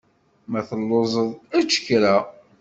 Ma telluẓeḍ, ečč kra.